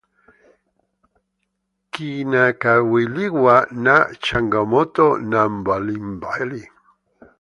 kinakabiliwa na changamoto mbalimbali